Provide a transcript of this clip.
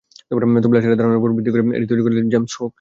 তবে লেস্টারের ধারণার ওপর ভিত্তি করে এটি তৈরি করেছিলেন জেমস হোগ।